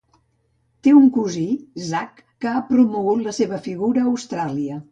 Té un cosí, Zac, que ha promogut la seva figura a Austràlia.